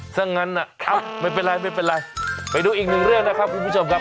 ซะงั้นไม่เป็นไรไม่เป็นไรไปดูอีกหนึ่งเรื่องนะครับคุณผู้ชมครับ